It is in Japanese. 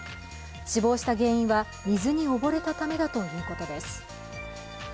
死亡した原因は水に溺れたためだということです。